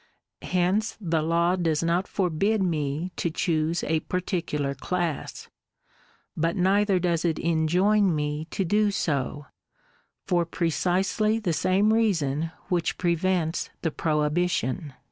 Hence the law does not forbid me to choose a particular class; but neither does it enjoin me to do so, for precisely the same reason which prevents the prohibition.